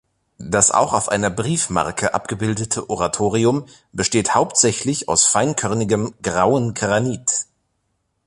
Das auch auf einer Briefmarke abgebildete Oratorium besteht hauptsächlich aus feinkörnigem grauen Granit.